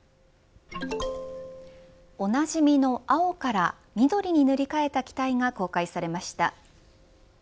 おなじみの青から緑に塗り替えた機体が公開されました。